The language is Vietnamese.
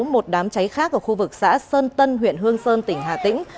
một đám cháy khác ở khu vực xã sơn tân huyện hương sơn tỉnh hà tĩnh